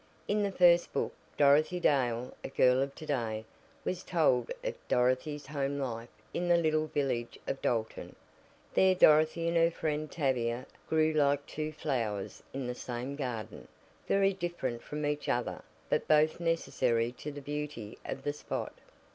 In the first book, "Dorothy Dale; a Girl of To day," was told of Dorothy's home life in the little village of Dalton. There Dorothy and her friend Tavia grew like two flowers in the same garden very different from each other, but both necessary to the beauty of the spot.